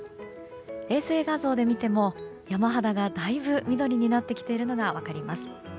衛星画像で見ても山肌がだいぶ緑になってきているのが分かります。